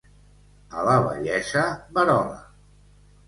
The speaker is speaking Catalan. A la vellesa, verola.